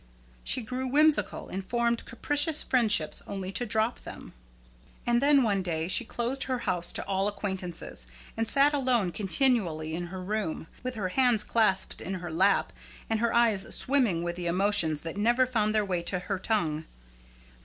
She grew whimsical, and formed capricious friendships, only to drop them. And then one day she closed her house to all acquaintances, and sat alone continually in her room, with her hands clasped in her lap, and her eyes swimming with the emotions that never found their way to her tongue.